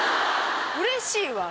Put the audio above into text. うれしいわ！